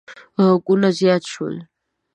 غږونه زیات شول.